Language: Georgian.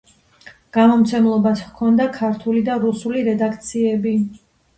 გამომცემლობას ჰქონდა ქართული და რუსული რედაქციები.